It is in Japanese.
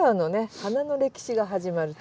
花の歴史が始まると。